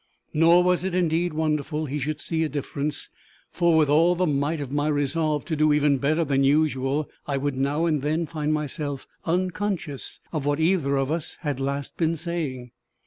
Nor was it indeed wonderful he should see a difference; for, with all the might of my resolve to do even better than usual, I would now and then find myself unconscious of what either of us had last been saying.